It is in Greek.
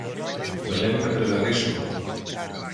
Με λένε Κατεργαρίσκο.